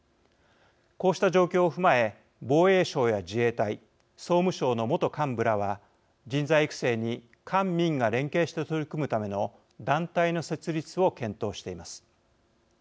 こうした状況を踏まえ防衛省や自衛隊総務省の元幹部らは人材育成に官民が連携して取り組むための団体の設立を検討しています。